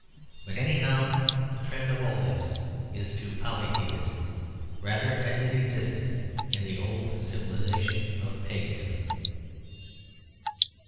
But, anyhow, the trend of all this is to polytheism, rather as it existed in the old civilisation of paganism.